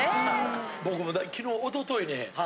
僕もきのうおとといね